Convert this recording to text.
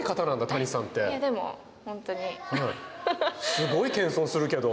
すごい謙遜するけど。